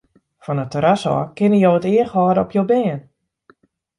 Fan it terras ôf kinne jo it each hâlde op jo bern.